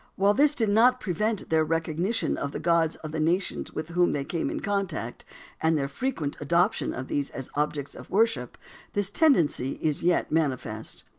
While this did not prevent their recognition of the gods of the nations with whom they came in contact, and their frequent adoption of these as objects of worship, this tendency is yet manifest.